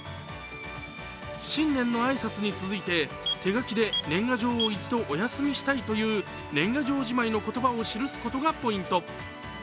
新年の挨拶に続いて、手書きで年賀状を一度お休みしたいという年賀状じまいの言葉を記すことがポイント。